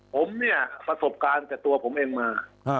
ผมเนี่ยประสบการณ์กับตัวผมเองมา